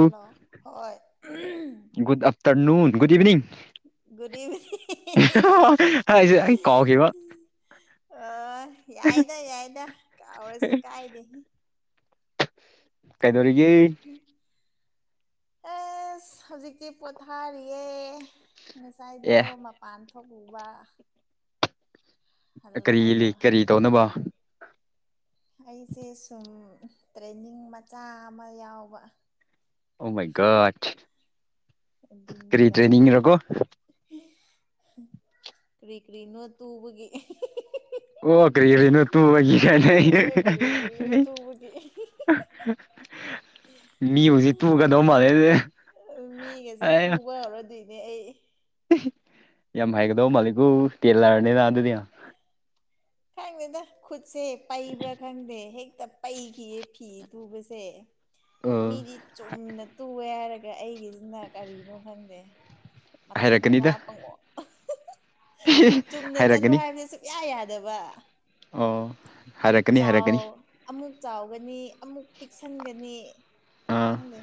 hello ꯍꯣꯏ good afternoon good evening good evening ꯑꯩꯁꯦ ꯑꯩ ꯀꯥꯎꯈꯤꯕ ꯑ ꯌꯥꯏꯗ ꯌꯥꯏꯗ ꯑꯧꯁꯨ ꯀꯥꯏꯗ ꯀꯩꯗꯧꯔꯤꯒꯤ ꯑꯦꯁ ꯍꯧꯖꯤꯛꯇꯤ ꯄꯣꯊꯥꯔꯤꯌꯦ ꯉꯁꯥꯏꯗꯣ ꯑꯦ ꯃꯄꯥꯟ ꯊꯣꯛꯎꯕ ꯀꯔꯤ ꯍꯜꯂꯛꯑꯒ ꯂꯩ ꯀꯔꯤ ꯇꯧꯅꯕ ꯑꯩꯁꯦ ꯁꯨꯝ ꯇ꯭ꯔꯦꯟꯅꯤꯡ ꯃꯆꯥ ꯑꯃ ꯌꯥꯎꯕ ꯎꯃꯩꯒꯠ ꯑꯗꯨꯗ ꯀꯔꯤ ꯀꯔꯤꯅ ꯇꯨꯕꯒꯤ ꯑꯣ ꯀꯔꯤꯅꯨ ꯇꯨ ꯑ ꯀ ꯍꯣꯏ ꯀꯔꯤ ꯀꯔꯤꯅꯣ ꯇꯨꯕꯒꯤ ꯃꯤ ꯍꯧꯖꯤꯛ ꯄꯨꯨꯒꯗꯧ ꯃꯥꯜꯂꯦꯁ ꯃꯤꯒꯁꯦ ꯇꯨꯕ ꯍꯧꯔꯗꯣꯏꯅꯦ ꯑꯩ ꯌꯥꯝ ꯍꯥꯏꯒꯗꯧ ꯃꯥꯂꯤꯀꯨ ꯇꯦꯜꯂꯔꯅꯤꯅ ꯑꯗꯨꯗꯤ ꯈꯪꯉꯦꯗ ꯈꯨꯠꯁꯦ ꯄꯩꯕ꯭ꯔꯥ ꯈꯪꯗꯦ ꯍꯦꯛꯇ ꯄꯩꯈꯤꯌꯦ ꯐꯤ ꯇꯨꯕꯁꯦ ꯑꯣ ꯃꯤꯗꯤ ꯆꯨꯝꯅ ꯇꯨꯑꯦ ꯍꯥꯏꯔꯒ ꯑꯩꯒꯤꯁꯤꯅ ꯀꯔꯤꯅꯣ ꯈꯪꯗꯦ ꯃꯊꯛ ꯃꯉꯥ ꯄꯪꯉꯛ ꯍꯥꯏꯔ ꯆꯠꯂꯣ ꯍꯥꯏꯕꯗꯤ ꯁꯨꯛꯌꯥ ꯌꯥꯗꯕ ꯑꯣ ꯍꯥꯏꯔꯛꯀꯅꯤ ꯆꯥꯎ ꯍꯥꯏꯔꯛꯀꯅꯤ ꯑꯃꯨꯛ ꯆꯥꯎꯒꯅꯤ ꯑꯃꯨꯛ ꯄꯤꯛꯁꯤꯟꯒꯅꯤ ꯑꯥ ꯈꯪꯗꯦ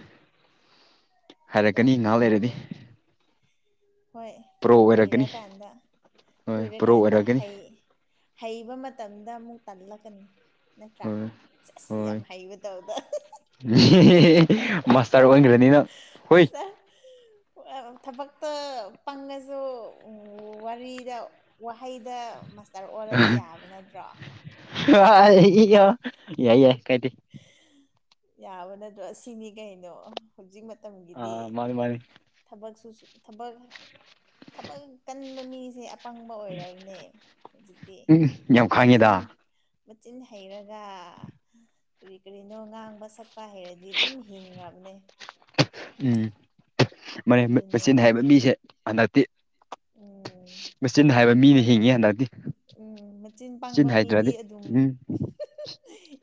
ꯒ꯭ꯌꯥꯟ ꯍꯥꯏꯔꯛꯀꯅꯤ ꯅꯍꯥꯛ ꯂꯩꯔꯗꯤ ꯇꯥꯗꯦ ꯍꯣꯏ ꯄ꯭ꯔꯣ ꯑꯣꯏꯔꯛꯀꯅꯤ ꯀꯨꯏꯔꯀꯥꯟꯗ ꯍꯣꯏ ꯄ꯭ꯔꯣ ꯀꯨꯏꯔꯀꯥꯟꯗ ꯑꯣꯏꯔꯛꯀꯅꯤ ꯍ ꯍꯩꯕ ꯃꯇꯝꯗ ꯑꯃꯨꯛ ꯇꯜꯂꯛꯀꯅꯤ ꯅꯠꯇ꯭ꯔꯥ ꯍꯣꯏ ꯆꯁꯤ ꯍꯣꯏ ꯌꯥꯝ ꯍꯩ ꯃꯥꯁꯇꯔ ꯋꯥꯒꯅꯤꯅ ꯄꯣꯏꯁꯥ ꯊꯕꯛꯇ ꯄꯪꯉꯁꯨ ꯋꯥꯔꯤꯗ ꯍꯩꯗ ꯃꯥꯁꯇꯔ ꯑꯣꯜꯂꯗꯤ ꯌꯥꯕ ꯅꯠꯇ꯭ꯔꯣ ꯑ ꯏ ꯌꯥꯏ ꯌꯥ ꯀꯥꯏꯗꯦ ꯌꯥꯕ ꯅꯠꯇ꯭ꯔꯣ ꯑꯁꯤꯅꯤ ꯀꯩꯅꯣ ꯍꯧꯖꯤꯛ ꯃꯇꯝꯒꯤꯗꯤ ꯑꯥ ꯃꯥꯅꯤ ꯃꯥꯅꯤ ꯊꯕꯛꯁꯨ ꯊꯕꯛ ꯊꯕꯛ ꯀꯟꯕ ꯃꯤꯁꯦ ꯑꯄꯪꯕ ꯑꯣꯏꯔꯕꯅꯦ ꯍꯧꯖꯤꯛꯇꯤ ꯎꯝ ꯌꯥꯝ ꯃꯆꯤꯟ ꯈꯥꯡꯉꯦꯗ ꯃꯆꯤꯟ ꯍꯩꯔꯒ ꯀꯔꯤ ꯀꯔꯤꯅꯣ ꯉꯥꯡ ꯑꯃ ꯁꯛꯄ ꯍꯩꯔꯗꯤ ꯑꯗꯨꯝ ꯍꯤꯡꯈ꯭ꯔꯕꯅꯦ ꯎꯝ ꯃꯔ ꯑꯗꯨꯅꯦ ꯃꯆꯤꯟ ꯍꯥꯏꯕ ꯃꯤꯁꯦ ꯍꯟꯗꯛꯇꯤ ꯎꯝ ꯃꯆꯟꯅ ꯍꯥꯏꯕ ꯃꯤꯅ ꯍꯤꯡꯉꯤ ꯍꯟꯗꯛꯇꯗꯤ ꯎꯝ ꯃꯆꯤꯟ ꯄꯥꯡꯕ ꯃꯤꯗꯤ ꯑꯗꯨꯝ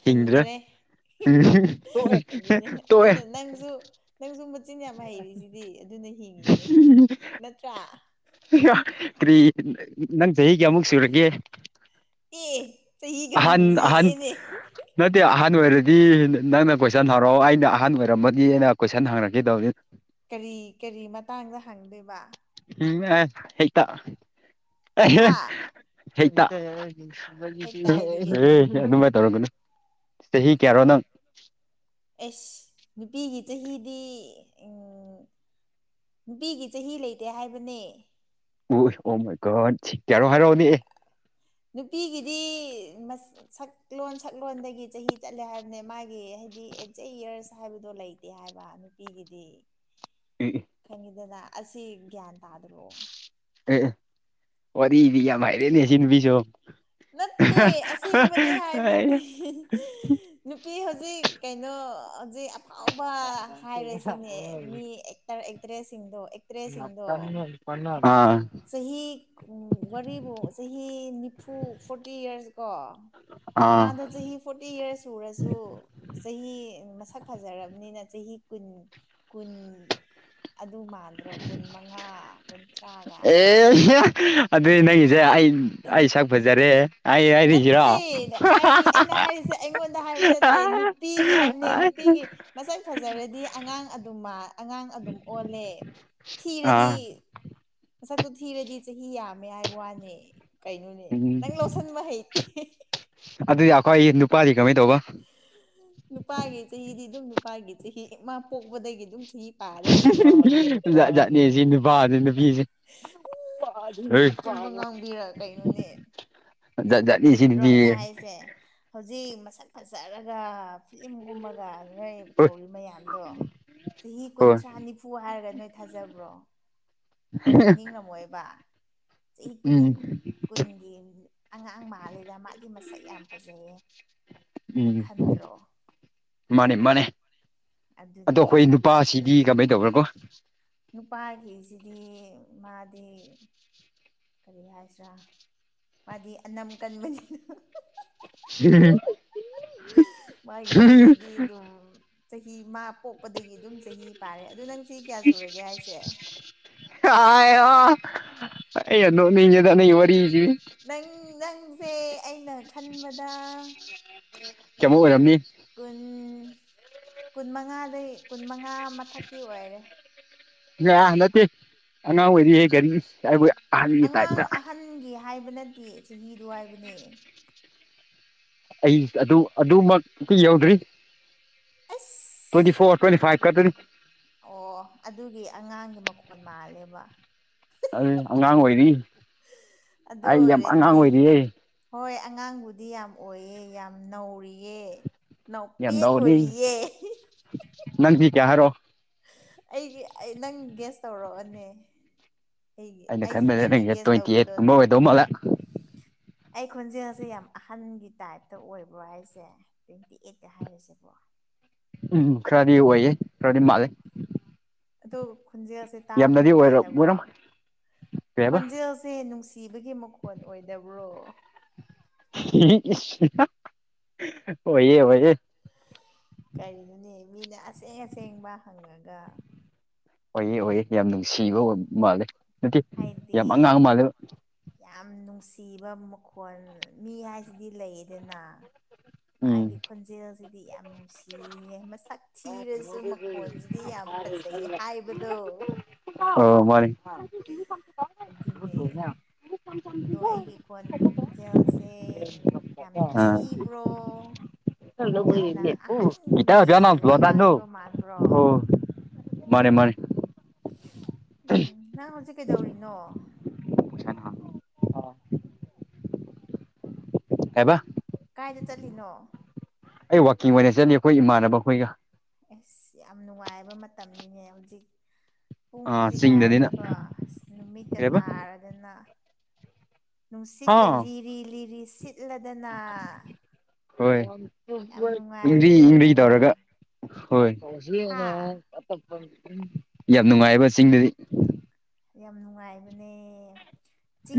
ꯍꯤꯡꯗꯔꯦ ꯇ ꯀꯆꯤꯟ ꯌꯥꯝ ꯍꯩꯔꯤꯁꯤꯗꯤ ꯑꯗꯨꯅ ꯍꯤꯡꯉꯤꯅꯦ ꯅꯠꯇ꯭ꯔꯥ ꯀꯔꯤ ꯅꯪ ꯆꯍꯤ ꯀꯌꯥꯃꯨꯛ ꯁꯨꯔꯒꯦ ꯑꯦ ꯇ ꯑꯍꯟ ꯑꯍꯟ ꯏꯒꯥꯟꯁꯤꯂꯅꯦ ꯅꯠꯇꯦ ꯑꯍꯟ ꯑꯣꯏꯔꯗꯤ ꯅꯪꯅ ꯀꯣꯏꯁꯟ ꯍꯔꯛꯑꯣ ꯑꯩꯅ ꯑꯍꯟ ꯑꯣꯏꯔꯝꯕꯅꯤ ꯑꯩꯅ ꯀꯣꯏꯁꯟ ꯍꯪꯅꯛꯀꯦꯗꯧꯅꯤ ꯀꯔꯤ ꯀꯔꯤ ꯃꯇꯥꯡꯗ ꯍꯪꯗꯣꯏꯕ ꯍꯛꯇ ꯍꯥ ꯍꯇ ꯑꯦ ꯍꯦꯛꯇ ꯍꯥꯏꯗꯤ ꯀꯩꯅꯣ ꯑꯗꯨꯃꯥꯏꯅ ꯇꯧꯔꯒꯅꯦ ꯑꯦꯁ ꯅꯨꯄꯤꯒꯤ ꯆꯍꯤꯗꯤ ꯅꯨꯄꯤꯒꯤ ꯆꯍꯤ ꯂꯩꯇꯦ ꯍꯥꯏꯕꯅꯦ ꯑꯣ ꯑꯣ ꯃꯣꯏꯀ ꯇꯔꯣ ꯍꯥꯏꯔꯣꯗꯤ ꯅꯨꯄꯤꯒꯤꯗꯤ ꯁꯛꯂꯣꯟ ꯁꯛꯂꯣꯟꯗꯒꯤ ꯆꯍꯤ ꯆꯠꯂꯦ ꯍꯥꯏꯕꯅꯦ ꯃꯥꯒꯤ ꯍꯥꯏꯗꯤ ꯑꯦ ꯌꯔꯁ ꯍꯥꯏꯕꯗꯣ ꯂꯩꯇꯦ ꯍꯥꯏ ꯍꯥꯏꯕ ꯅꯨꯄꯤꯒꯤꯗꯤ ꯑꯦ ꯈꯪꯈꯤꯗꯅ ꯑꯁꯤ ꯒ꯭ꯌꯥꯟ ꯇꯥꯗꯔꯑꯣ ꯑꯦ ꯋꯥꯔꯤ ꯏꯗꯤ ꯌꯥ ꯍꯥꯏꯥꯏꯔꯅꯦꯁꯤꯅ ꯄꯁꯨꯣ ꯑꯦ ꯑꯁꯦꯡꯕꯅꯦ ꯍꯥꯏꯕꯗꯤ ꯅꯨꯄꯤ ꯍꯧꯖꯤꯛ ꯀꯩꯅꯣ ꯍꯧꯖꯤꯛ ꯑꯐꯥꯎꯕ ꯍꯥꯏꯔꯤꯁꯤꯅꯦ ꯃꯤ ꯑꯦꯛꯇꯔ ꯑꯦꯛꯇ꯭ꯔꯦꯁꯁꯤꯡꯗꯣ ꯑꯦꯠꯇꯦ ꯁꯤꯗꯣ ꯑꯥ ꯆꯍꯤꯔꯤꯕꯨ ꯆꯍꯤ ꯅꯤꯐꯨ ꯐꯣꯔꯇꯤ ꯏꯔꯁ ꯀꯣ ꯑꯥ ꯃꯥꯗꯣ ꯆꯍꯤ ꯐꯣꯔꯇꯤ ꯌꯌꯥꯔꯁ ꯎꯔꯁꯨ ꯆꯍꯤ ꯃꯁꯛ ꯐꯖꯔꯕꯅꯤꯅ ꯆꯍꯤ ꯀꯨꯟ ꯀꯨꯟ ꯑꯗꯨ ꯃꯥꯟꯗ꯭ꯔꯣ ꯀꯨꯟ ꯃꯉꯥ ꯀꯨꯟꯊ꯭ꯔꯥꯒ ꯑꯦ ꯑꯗꯨꯗꯤ ꯅꯪꯒꯤꯁꯦ ꯑꯩ ꯑꯦ ꯑꯩ ꯁꯛ ꯐꯖꯔꯦ ꯑꯩ ꯍꯥꯏꯔꯤꯁꯤꯔꯣ ꯅꯠꯇꯦ ꯍꯥꯏꯗꯤ ꯑꯩꯅ ꯍꯥꯏꯔꯤꯁꯦ ꯑꯩꯉꯣꯟꯗ ꯍꯥꯏꯕ ꯅꯠꯇꯦ ꯅꯨꯄꯤꯒꯤ ꯍꯥꯏꯕꯅꯦ ꯅꯨꯄꯤ ꯁꯤꯒꯤ ꯃꯁꯛ ꯐꯖꯔꯗꯤ ꯑꯉꯥꯡ ꯑꯗꯨꯝ ꯃꯟꯂꯦ ꯑꯉꯥꯡ ꯑꯗꯨꯝ ꯑꯣꯜꯂꯦ ꯊꯤꯔꯗꯤ ꯑꯥ ꯃꯁꯛꯇꯨ ꯊꯤꯔꯗꯤ ꯆꯍꯤ ꯌꯥꯝꯃꯦ ꯍꯥꯏꯕ ꯋꯥꯅꯦ ꯀꯩꯅꯣꯅꯦ ꯎꯝ ꯅꯪ ꯂꯣꯠꯁꯤꯟꯕ ꯍꯩꯇꯦ ꯎꯄꯥꯗꯤ ꯀꯃꯥꯏꯇꯧꯕ ꯅꯨꯄꯥꯒꯤ ꯆꯍꯤꯗꯤ ꯑꯗꯨꯝ ꯅꯨꯄꯥꯒꯤ ꯆꯍꯤ ꯑꯃ ꯄꯣꯛꯄꯗꯒꯤ ꯑꯗꯨꯝ ꯆꯍꯤ ꯄꯥꯔꯦ ꯖꯥꯠ ꯖꯥꯠ ꯅꯦ ꯑꯁꯤ ꯅꯨꯄꯥꯁꯦ [unintelligible] [unintelligible] [unintelligible] ꯑꯆꯨꯝꯕ ꯉꯥꯡꯕꯤꯔ ꯀꯩꯅꯣꯅꯦ ꯖꯥꯠ ꯖꯥꯠ ꯅꯦ ꯑꯁꯤ ꯆꯨꯝꯗ꯭ꯔꯣ ꯑꯩꯅ ꯅꯨꯄꯤꯁꯦ ꯍꯥꯏꯁꯦ ꯍꯧꯖꯤꯛ ꯃꯁꯛ ꯐꯖꯔꯒ ꯐꯤꯂꯝ ꯍꯣꯏ ꯒꯨꯝꯃꯒꯇꯧꯔꯤ ꯃꯌꯥꯝꯗꯣ ꯆꯍꯤ ꯍꯣꯏ ꯀꯨꯟꯊ꯭ꯔꯥ ꯅꯤꯐꯨ ꯍꯥꯏꯔꯒ ꯅꯣꯏ ꯊꯥꯖꯕ꯭ꯔꯣ ꯑꯣꯏꯍꯟꯅꯤꯡꯉꯝꯃꯣꯏꯕ ꯆꯍꯤ ꯀꯨꯟ ꯎꯝ ꯀꯨꯟꯒꯤ ꯑꯉꯥꯡ ꯃꯥꯜꯂꯤꯗ ꯃꯥꯗꯤ ꯃꯁꯛ ꯌꯥꯝ ꯐꯖꯩꯌꯦ ꯑꯗꯨ ꯎꯝ ꯈꯟꯗ꯭ꯔꯣ ꯃꯥꯅꯦ ꯃꯅꯦ ꯑꯗꯣ ꯑꯗꯨꯅꯦ ꯑꯩꯈꯣꯏ ꯅꯨꯄꯥꯁꯤꯗꯤ ꯑꯗꯨꯒ ꯀꯃꯥꯏꯅ ꯇꯧꯕ꯭ꯔꯣ ꯀꯣ ꯅꯨꯄꯥꯒꯤꯁꯤꯗꯤ ꯃꯥꯗꯤ ꯀꯔꯤ ꯍꯥꯏꯁꯤ꯭ꯔꯥ ꯃꯥꯗꯤ ꯑꯅꯝ ꯀꯟꯕꯅꯤꯅ ꯃꯥꯒꯤ ꯆꯍꯤꯗꯤ ꯑꯗꯨꯝ ꯆꯍꯤ ꯃꯥ ꯄꯣꯛꯄꯗꯒꯤ ꯑꯗꯨꯝ ꯆꯍꯤ ꯄꯥꯔꯦ ꯑꯗꯨꯗꯣ ꯅꯪꯁꯤ ꯀꯌꯥ ꯁꯨꯔꯒꯦ ꯍꯥꯏꯁꯦ ꯑꯩ ꯌꯥꯝ ꯅꯣꯛꯅꯤꯡꯉꯤꯗ ꯅꯣꯢ ꯋꯔꯤꯁꯥꯗꯤ ꯅꯪ ꯅꯪꯁꯦ ꯑꯩꯅ ꯈꯟꯕꯗ ꯀꯩꯃꯣ ꯑꯣꯏꯔꯝꯅꯤ ꯀꯨꯟ ꯀꯨꯟ ꯃꯉꯥꯗꯩ ꯀꯨꯟ ꯃꯉꯥ ꯃꯊꯛꯇꯤ [inaudible] ꯑꯣꯏꯔꯦ [inaudible] ꯌꯥ ꯅꯠꯇꯦ ꯑꯉꯥꯡ ꯑꯣꯢꯔꯤ ꯑꯉꯥꯡ ꯑꯍꯟꯒꯤ ꯍꯥꯏꯕ ꯅꯠꯇꯦ ꯆꯍꯤꯗꯨ ꯍꯥꯏꯕꯅꯦ ꯑꯩ ꯑꯗꯨ ꯑꯗꯨꯃꯛ ꯀ ꯌꯧꯗ꯭ꯔꯤ ꯑꯁ ꯇ꯭ꯋꯦꯟꯇꯤ ꯐꯣꯔ ꯇꯣꯢꯟꯇꯤ ꯐꯢꯞ ꯑꯗꯨꯅꯤ ꯑꯣ ꯑꯗꯨꯒꯤ ꯑꯉꯥꯡꯒꯤ ꯃꯈꯣꯟꯜ ꯃꯥꯜꯂꯦꯕ ꯑ ꯑꯉꯥꯡ ꯑꯣꯏꯔꯤ ꯑꯗꯨ ꯑꯩ ꯌꯥꯝ ꯑꯉꯥꯡ ꯑꯣꯏꯔꯗꯤ ꯑꯣꯏꯔꯤꯌꯦ ꯍꯣꯏ ꯑꯉꯥꯡꯕꯨꯗꯤ ꯌꯥꯝ ꯑꯣꯏꯌꯦ ꯌꯥꯝ ꯅꯧꯔꯤꯌꯦ ꯌꯥꯝ ꯅꯧꯄꯦꯠ ꯅꯧꯔꯤ ꯑꯣꯏꯔꯤꯌꯦ ꯅꯡꯗꯤ ꯀꯌꯥ ꯍꯥꯢꯔꯛꯑꯣ ꯑꯩꯒꯤ ꯑꯩ ꯅꯪ ꯒ꯭ꯦꯁ ꯇꯧꯔꯛꯑꯅꯦ ꯑꯩꯅ ꯈꯟꯕꯅꯦ ꯅꯪꯒꯤ ꯇ꯭ꯋꯦꯟꯇꯤ ꯑꯩꯠ ꯀꯨꯝꯕ ꯑꯣꯏꯗꯧ ꯃꯥꯜꯂ ꯑꯩ ꯈꯣꯟꯖꯦꯜꯁꯦ ꯌꯥꯝ ꯑꯍꯟꯒꯤ ꯇꯥꯏꯞꯇ ꯑꯣꯏꯕ꯭ꯔꯣ ꯍꯥꯏꯁꯦ ꯇ꯭ꯋꯦꯟꯇꯤ ꯑꯩꯠꯀ ꯍꯥꯏꯔꯤꯁꯦꯕꯣ ꯎꯝ ꯈ꯭ꯔꯗꯤ ꯑꯣꯏꯌꯦ ꯈ꯭ꯔꯗꯤ ꯃꯥꯂ ꯑꯗ ꯈꯣꯟꯖꯦꯜꯁꯦ ꯇꯥꯕ ꯅꯨꯡꯉꯥꯏꯇꯕ꯭ꯔꯣ ꯑꯣꯏꯔꯝꯃꯣꯏ ꯀꯩ ꯍꯥꯏꯕ ꯈꯣꯟꯖꯦꯜꯁꯦ ꯅꯨꯡꯁꯤ ꯁꯤꯤꯕꯒꯤ ꯃꯈꯣꯟ ꯑꯣꯏꯗꯕ꯭ꯔꯣ ꯑꯣꯏ ꯌꯦ ꯀꯔꯤꯅꯣꯅꯦ ꯃꯤꯅ ꯑꯁꯦꯡ ꯑꯁꯦꯡꯕ ꯍꯪꯉꯒ ꯑꯣꯏꯌꯦ ꯑꯣꯏꯌꯦ ꯌꯥꯝ ꯅꯨꯡꯁꯤꯕ ꯃꯥꯜꯂꯦ ꯅꯠꯇꯦ ꯍꯥꯏꯗꯤ ꯌꯥꯝ ꯑꯉꯥꯡ ꯃꯥꯜꯂꯦ ꯌꯥꯝ ꯅꯨꯡ ꯅꯨꯡ ꯁꯤꯕ ꯃꯈꯣꯜ ꯃꯤ ꯍꯥꯏꯁꯤꯗꯤ ꯂꯩꯗꯅ ꯎ ꯃꯥꯒꯤ ꯈꯣꯟꯖꯦꯜꯁꯤꯗꯤ ꯌꯥꯝ ꯅꯨꯡꯁꯤꯌꯦ ꯃꯁꯛ ꯊꯤꯔꯁꯨ ꯃꯈꯣꯟꯁꯤꯗꯤ ꯌꯥꯝ ꯐꯖꯩ ꯍꯥꯏꯕꯗꯣ ꯑꯣ ꯃꯥꯅꯤ ꯑꯗꯨꯅꯦ ꯑꯗꯣ ꯑꯩꯒꯤ ꯈꯣꯟ ꯖꯦꯜꯁ ꯌꯥꯝ ꯑꯥ ꯊꯤꯕ꯭ꯔꯣ ꯌꯥꯝꯅ ꯑꯣ ꯑꯍꯟꯒꯤ ꯋꯥꯉꯥꯡꯗꯣ ꯃꯥꯟꯕ꯭ꯔꯣ ꯃꯥꯅꯦ ꯃꯥꯅꯦ ꯎꯝ ꯅꯪ ꯍꯧꯖꯤꯛ ꯀꯩꯗꯧꯔꯤꯅꯣ ꯑꯦꯕ ꯀꯥꯏꯗ ꯆꯠꯂꯤꯅꯣ ꯑꯩ ꯋꯥꯛꯀꯤꯡ ꯑꯣꯏꯅ ꯆꯠꯂꯤ ꯑꯩꯈꯣꯏ ꯏꯃꯥꯟꯅꯕ ꯑꯩꯈꯣꯏꯒ ꯑꯁ ꯌꯥꯝ ꯅꯨꯡꯉꯥꯏꯕ ꯃꯇꯝꯅꯤꯅꯦ ꯍꯧꯖꯤꯛ ꯑꯥ ꯄꯨꯡꯁꯤꯒ ꯆꯤꯡꯗꯅꯤꯅ ꯍꯥꯏꯔꯗꯤꯀꯣ ꯑꯁ ꯅꯨꯃꯤꯠꯀ ꯀꯩꯕ ꯇꯥꯔꯗꯅ ꯅꯨꯡꯁꯤꯠꯀ ꯍꯥ ꯂꯤꯔꯤ ꯂꯤꯔꯤ ꯁꯤꯠ ꯏꯜꯂꯗꯅ ꯍꯣꯏ ꯌꯥꯝ ꯏꯪꯒ꯭ꯔꯤ ꯅꯨꯡꯉꯥꯏꯕ ꯏꯪꯒ꯭ꯔꯤ ꯇꯧꯔꯒ ꯃꯇꯝꯅꯤꯅꯦ ꯍꯣꯏ ꯍꯥ ꯌꯥꯝ ꯅꯨꯡꯉꯥꯏꯑꯕ ꯆꯤꯡꯗꯗꯤ ꯌꯥꯝ ꯅꯨꯡꯉꯥꯏꯕꯅꯦ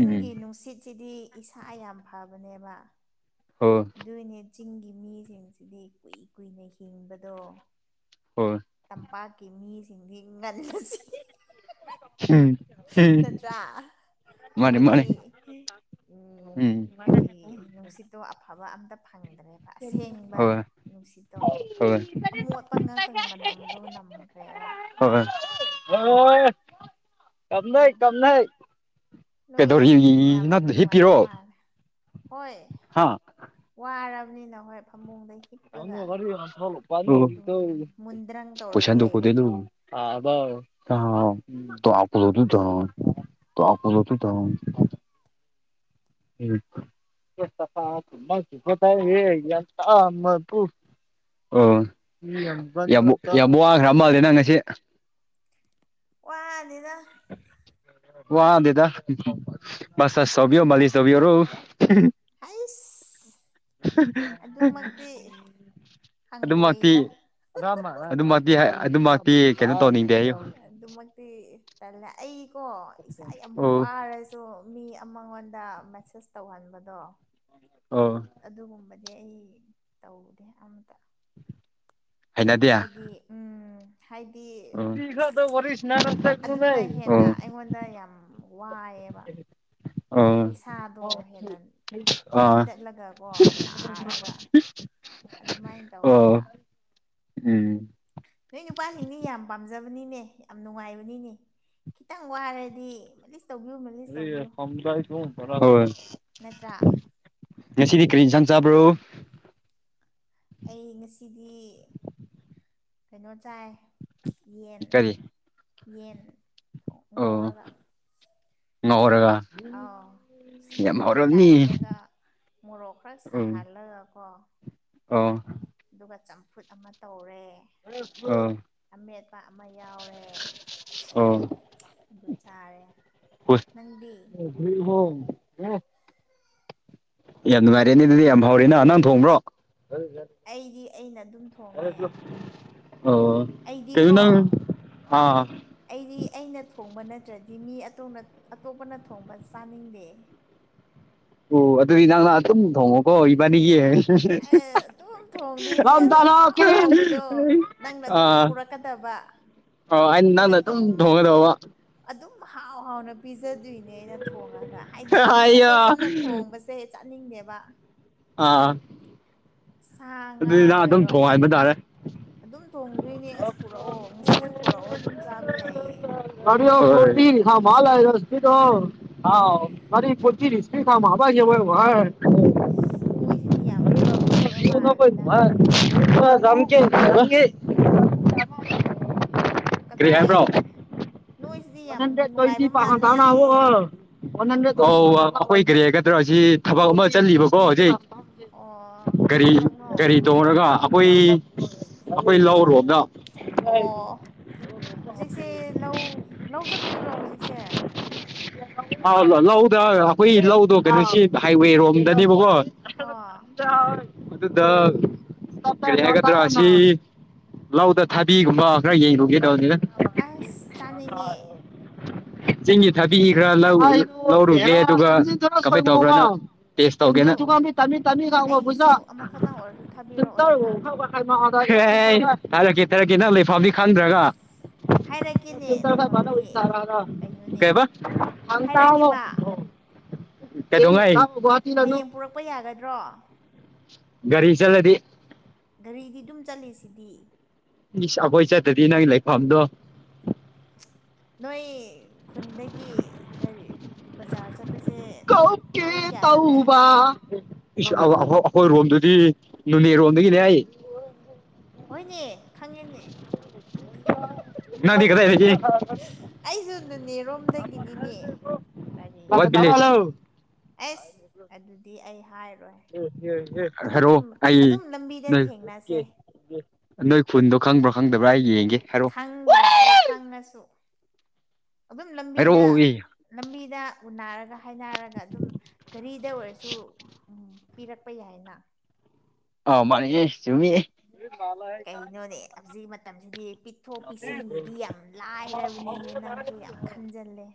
ꯎꯝ ꯅꯨꯡꯁꯤꯠꯁꯤꯗꯤ ꯏꯁꯥ ꯌꯥꯝ ꯐꯕꯅꯦꯕ ꯍꯣꯏ ꯑꯗꯨꯏꯅꯦ ꯆꯤꯡꯒꯤ ꯃꯤꯁꯤꯡꯁꯤꯗꯤ ꯀꯨꯏ ꯀꯨꯏꯅ ꯍꯤꯡꯕꯗꯣ ꯍꯣꯏ ꯇꯝꯄꯥꯛꯀꯤ ꯃꯤ ꯁꯤꯡꯗꯤꯒ ꯎꯝ ꯍꯝ ꯃꯥꯅꯦ ꯃꯥꯅꯦ ꯃꯣꯏꯗꯤ ꯎꯝ ꯀꯔꯤ ꯅꯨꯡꯁꯤꯠꯇꯣ ꯑꯐꯕ ꯑꯝꯇ ꯎꯝ ꯐꯪꯗ꯭ꯔꯦꯕ ꯑꯁꯦꯡꯕ ꯅꯨꯡꯁꯤꯠꯇꯣ ꯍꯣꯏ ꯑꯃꯣꯠꯄ ꯉꯥꯛꯇꯪ ꯃꯅꯝꯗꯨ ꯅꯝꯈ꯭ꯔꯦꯕ ꯍꯣꯏ ꯀꯞꯅꯩ ꯎꯝ ꯀꯞꯅꯩ ꯅꯣꯏ ꯀꯩꯗꯧꯔꯤ ꯌꯥꯝ ꯅ ꯅꯨꯡꯉꯥꯏꯕ ꯍꯤꯞꯄꯤꯔꯣ ꯃꯥꯜꯂꯦ ꯍꯣꯏ ꯍꯥ ꯋꯥꯔꯕꯅꯤꯅ ꯍꯣꯏ ꯐꯃꯨꯡꯗꯒꯤꯩ ꯄꯁꯗ ꯃꯨꯟꯗ꯭ꯔꯪ ꯇꯧꯔꯒ ꯂꯩꯔꯦ ꯀꯣꯗꯕ ꯗꯨ ꯊꯂꯗꯨ ꯊ ꯍꯛꯇ ꯦ ꯌꯦ ꯑꯣꯕꯣꯒ꯭ꯔꯝꯕꯗꯅ ꯉ ꯑꯣꯜꯂꯤꯗ ꯋꯥꯗꯦꯗ ꯁ ꯑꯁ ꯁꯕꯤ ꯃꯥꯂꯤ ꯁꯕꯤ ꯑꯣꯏꯔꯣ ꯍꯩꯁ ꯑꯗꯨꯃꯛꯇꯤ [unintelligible] ꯑꯗꯨꯃꯛꯇꯤ ꯍꯪꯒꯣꯏꯗ ꯑ ꯑꯗꯨꯃꯛꯇꯤ ꯍꯥꯏ ꯑꯗꯨꯃꯛꯇꯤ ꯀꯩꯅꯣ ꯇꯧꯅꯤꯡꯗꯦ ꯑꯩꯌꯨ ꯇꯜꯂ ꯑꯩꯀꯣ ꯏꯁꯥ ꯌꯥꯝ ꯑꯣ ꯋꯥꯔꯁꯨ ꯃꯤ ꯑꯃꯉꯣꯟꯗ ꯃꯦꯁꯦꯁ ꯇꯧꯍꯟꯕꯗꯣ ꯑꯣ ꯑꯗꯨꯒꯨꯝꯕꯗꯤ ꯑꯗꯤ ꯑꯩ ꯇꯧꯗꯦ ꯑꯝꯇ ꯎ ꯍꯥꯏꯗꯤ ꯎꯝ ꯍꯥꯏꯗꯤ ꯑꯣ ꯑꯗꯨꯅ ꯍꯦꯟꯅ ꯑꯩꯉꯣꯟꯗ ꯌꯥꯝ ꯋꯥꯏꯑꯦꯕ ꯑ ꯏꯁꯥꯗꯣ ꯍꯦꯟꯅ ꯈꯤꯤꯟꯗꯠꯂꯒꯀꯣ ꯅꯥꯔꯒ ꯑꯗꯨꯃꯥꯏꯅ ꯑꯣ ꯇꯧꯋꯦꯕ ꯎꯝ ꯅꯣꯏ ꯅꯨꯄꯥꯁꯤꯡꯗꯤ ꯌꯥꯝ ꯄꯥꯝꯖꯕꯅꯤꯅꯦ ꯌꯥꯝ ꯅꯨꯡꯉꯥꯏꯕꯅꯤꯅꯦ ꯈꯤꯇꯪ ꯋꯥꯔꯗꯤ ꯇꯧꯕꯤꯌꯨ ꯃꯥꯂꯤꯁ ꯑ ꯇꯧꯕꯤꯌꯨ ꯐꯖꯥꯏꯁꯤ ꯍ ꯈꯔ ꯅꯠꯇ꯭ꯔꯥ ꯉꯁꯤꯗꯤ ꯀꯔꯤ ꯏꯟꯁꯥꯡ ꯆꯥꯕ꯭ꯔꯣ ꯑꯩ ꯉꯁꯤꯗꯤ ꯀꯩꯅꯣ ꯆꯥꯏ ꯌꯦꯟ ꯀꯔꯤ ꯌꯦꯟ ꯑꯣ ꯉꯧꯔꯒ ꯉꯧꯔꯒ ꯑꯥꯎ ꯌꯥꯝ ꯁꯤꯡꯖꯨꯒꯤ ꯍꯥꯎꯔꯝꯅꯤ ꯇꯥꯏꯞꯇꯒ ꯃꯣꯔꯣꯛ ꯈꯔ ꯎꯝ ꯁꯥꯍꯜꯂꯒ ꯀꯣ ꯑꯣ ꯐꯨꯠ ꯑꯃ ꯇꯧꯔꯦ ꯑꯣ ꯑꯃꯦꯠꯄ ꯑꯃ ꯌꯥꯎꯔꯦ ꯑꯣ ꯑꯗꯨ ꯆꯥꯔꯦ ꯍꯣꯏ ꯅꯪꯗꯤ ꯌꯥꯝ ꯅꯨꯡꯉꯥꯏꯔꯦꯅꯦ ꯑꯗꯨꯗꯤ ꯌꯥꯝ ꯐꯥꯎꯔꯦ ꯅ ꯅꯪ ꯊꯣꯡꯕ꯭ꯔꯣ ꯑꯩꯗꯤ ꯑꯩꯅ ꯑꯗꯨꯝ ꯊꯣꯡꯉꯦ ꯑꯣ ꯑꯩꯗꯤꯀꯣ ꯇꯅ ꯑꯥ ꯑꯩꯗꯤ ꯑꯩꯅ ꯊꯣꯡꯕ ꯅꯠꯇ꯭ꯔꯗꯤ ꯃꯤ ꯑꯇꯣꯞꯄꯅ ꯊꯣꯡꯕ ꯆꯥꯅꯤꯡꯗꯦ ꯑꯣ ꯑꯗꯨꯗꯤ ꯅꯪꯅ ꯑꯗꯨꯝ ꯊꯣꯡꯉꯣꯀꯣ ꯏꯕꯥꯅꯤꯒꯤ ꯑꯩ ꯑꯗꯨꯝ ꯊꯣꯡꯗꯣꯏꯅꯦ ꯑꯗꯣ ꯑꯍꯥꯎ ꯍꯥꯎꯕꯗꯣ ꯅꯪꯅ ꯑꯗꯨꯝ ꯄꯨꯔꯛꯀꯗꯕ ꯑ ꯑꯩ ꯅꯪꯅ ꯑꯗꯨꯝ ꯊꯣꯡꯉꯗꯧꯕ ꯑꯗꯨ ꯍꯥꯎ ꯍꯥꯎꯅ ꯄꯤꯖꯗꯣꯏꯅꯦ ꯑꯩꯅ ꯊꯣꯡꯉꯒ ꯍꯥꯏꯗꯤ ꯃꯤ ꯑꯩꯌꯥ ꯑꯇꯣꯞꯄꯅ ꯊꯣꯡꯕꯁꯦ ꯅꯤꯡ ꯗꯦꯕ ꯑꯥ ꯉꯥ ꯑꯗꯨꯗꯤ ꯅ ꯑꯗꯨꯝ ꯑꯣꯏꯔꯣ ꯊꯣꯡ ꯑꯩꯅ ꯍꯥꯏꯕ ꯇꯥꯔꯦ ꯑꯗꯨꯝ ꯇꯣꯡꯗꯣꯏꯅꯦ ꯑꯁ ꯄꯨꯔꯛꯑꯣ ꯉꯁꯤꯁꯨ ꯄꯨꯔꯛꯑꯣ ꯑꯗꯨꯝ ꯆꯥꯕ ꯌꯥꯏꯑ ꯃꯥꯂꯗꯣꯥꯎ ꯃꯥꯔꯤ ꯄꯣꯆꯤꯔꯤꯁꯄꯤ ꯀꯝ ꯑꯕꯒꯤꯋꯥ ꯋꯥꯔ ꯁꯤꯗꯤ ꯌꯥꯝ ꯅꯨꯡꯉꯥꯏꯕ ꯃꯥꯜꯦ ꯀꯉꯥꯏ ꯀꯦ ꯀꯗꯥꯏ ꯅꯣꯏ ꯑꯣꯟ ꯍꯟꯗ꯭ꯔꯦꯠ ꯇ꯭ꯋꯦꯟꯇꯤ ꯄꯥꯎꯣ ꯑꯧ ꯑꯩꯈꯣꯏ ꯀꯔꯤ ꯍꯥꯏꯒꯗ꯭ꯔꯥ ꯁꯤ ꯊꯕꯛ ꯑꯃ ꯆꯜꯂꯤꯠꯂꯤꯕꯀꯣ ꯍꯧꯖꯤꯛ ꯑꯣ ꯀꯔꯤ ꯊꯕꯛꯅꯣ ꯑꯣꯏ ꯑꯣ ꯍꯧꯖꯤꯛꯁꯦ ꯂꯧ ꯂꯧ ꯆꯠꯇꯣꯏꯔꯣ ꯍꯧꯖꯤꯛꯁꯦ ꯂ ꯂ ꯂꯧꯗ ꯑꯩꯈꯣꯏ ꯂꯧꯗꯣ ꯀꯩꯅꯣꯁꯤ ꯍꯥꯏꯋꯦꯔꯣꯝꯗꯅꯦꯕꯀꯣ ꯑꯣ ꯑꯗꯨꯗ ꯀꯔꯤ ꯍꯥꯏꯒꯗ꯭ꯔ ꯑꯁꯤ ꯂꯧꯗ ꯊꯥꯕꯤꯒꯨꯝꯕ ꯈꯔ ꯌꯦꯡꯂꯩꯒꯦ ꯇꯧꯕꯅꯤꯗ ꯑꯁ ꯆꯥꯅꯤꯡꯉꯦ ꯆꯤꯡꯒꯨ ꯊꯥꯕꯤꯈ꯭ꯔꯥ ꯂꯧꯔꯨ ꯂꯧꯔꯨꯒꯦ ꯑꯗꯨꯒ ꯀꯃꯥꯏ ꯇꯧ ꯕ꯭ꯔꯥꯅ ꯇꯦꯁ ꯑꯗꯨ ꯇꯧꯒꯦꯅ ꯑꯩꯒꯤꯁꯨ ꯑꯃꯈꯛꯇꯪ ꯑꯣꯏꯔꯁꯨ [unintelligible] ꯊꯥꯕꯤꯔꯛꯑꯣꯗꯅ ꯑꯦ ꯊꯥꯔꯛꯀꯦ ꯊꯥꯔꯛꯀꯦ ꯅꯪ ꯂꯩꯐꯝꯗꯤ ꯈꯪꯗ꯭ꯔꯒ ꯍꯥꯏꯔꯛ ꯀꯩꯅꯣꯅꯦ ꯀꯩꯕ ꯍꯥꯏꯔꯛꯀꯦꯕ ꯀꯩꯗꯣꯡ ꯉꯥꯏ ꯍꯌꯦꯡ ꯄꯨꯔꯛꯄ ꯌꯥꯒꯗ꯭ꯔꯣ ꯒꯥꯔꯤ ꯆꯠꯂꯗꯤ ꯒꯥꯔꯤꯗꯤ ꯑꯗꯨꯝ ꯆꯠꯂꯁꯤꯗꯤ ꯏꯁ ꯑꯩꯈꯣꯏ ꯆꯠꯇꯗꯤ ꯅꯪ ꯂꯩꯐꯝꯗꯣ ꯅꯣꯏ ꯈꯨꯟꯗꯒꯤ ꯒꯥꯔꯤ ꯕꯖꯥꯔ ꯆꯠ ꯀꯧꯀꯦ ꯇꯧꯎꯕ ꯏꯁ ꯑꯧ ꯑꯩꯈꯣꯏ ꯔꯣꯝꯗꯨꯗꯤ ꯅꯨꯅꯦ ꯔꯣꯝꯗꯒꯤꯅꯦ ꯑꯩ ꯍꯣꯏꯅꯦ ꯈꯪꯉꯦꯅꯦ ꯅꯪꯗꯤ ꯀꯗꯥꯏꯗꯒꯤ ꯅꯨꯅꯦꯔꯣꯝꯗꯒꯤꯅꯤꯅꯦ ꯀꯔꯤ ꯋꯥꯠ ꯚꯤꯂꯦꯖ ꯑꯁ ꯑꯗꯨꯗꯤ ꯑꯩ ꯍꯥꯏ ꯍꯥꯔꯛꯑꯣ ꯑꯩ ꯑꯗꯨꯝ ꯂꯝꯕꯤꯗ ꯅꯣꯢ ꯊꯦꯡꯅꯁꯦ ꯅꯣꯏ ꯈꯨꯟꯗꯣ ꯈꯪꯕ꯭ꯔꯣ ꯈꯪꯗꯕ꯭ꯔꯥ ꯑꯩ ꯌꯦꯡ ꯈꯪꯗ꯭ꯔꯁꯨ ꯈꯪꯉꯁꯨ ꯑꯗꯨꯝ ꯂꯝꯕꯤꯗ ꯍꯥꯏꯔꯛꯑꯣ ꯑꯦ ꯂꯝꯕꯤꯗ ꯎꯟꯅꯔꯒ ꯍꯥꯏꯅꯔꯒ ꯑꯗꯨꯝ ꯒꯔꯤ ꯗ ꯑꯣꯏꯔꯁꯨ ꯎꯝ ꯄꯤꯔꯛꯄ ꯌꯥꯏꯅ ꯑ ꯃꯅꯤꯌꯦ ꯆꯨꯝꯃꯤ ꯀꯩꯅꯣꯅꯦ ꯍꯧꯖꯤꯛ ꯃꯇꯝꯁꯤꯗꯤ ꯄꯤꯊꯣꯛ ꯄꯤꯁꯤꯟꯒꯤꯗꯤ ꯌꯥꯝ ꯂꯥꯏꯔꯕꯅꯦꯍꯦ ꯅꯪꯁꯨ ꯌꯥꯝ ꯈꯟꯖꯜꯂꯦ